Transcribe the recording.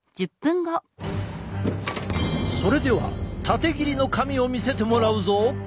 それでは縦切りの髪を見せてもらうぞ！